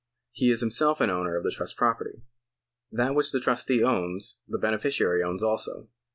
He is himself an owner of the trust property. That which the trustee owns, the bene ficiary owns also.